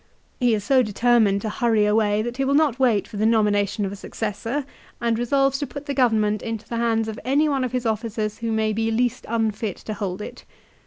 2 He is so determined to hurry away that he will not wait for the nomination of a successor and resolves to put the government into the hands of any one of his officers who may be least unfit to hold it.